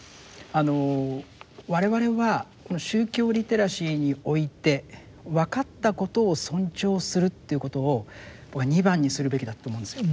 我々はこの宗教リテラシーにおいてわかったことを尊重するっていうことを２番にするべきだと思うんです。